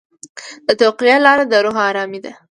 د تقوی لاره د روح ارامي ده.